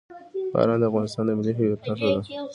باران د افغانستان د ملي هویت نښه ده.